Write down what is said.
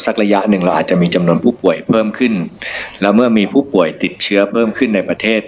ระยะหนึ่งเราอาจจะมีจำนวนผู้ป่วยเพิ่มขึ้นแล้วเมื่อมีผู้ป่วยติดเชื้อเพิ่มขึ้นในประเทศ